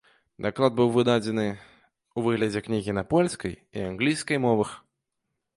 Даклад быў выдадзены ў выглядзе кнігі на польскай і англійскай мовах.